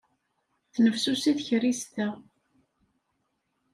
Tennefsusi tkerrist-a.